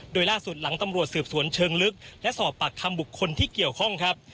โดยล่าสุดหลังตำรวจสืบสวนเชิงลึกและสอบปากคำบุคคลที่เกี่ยวข้องครับ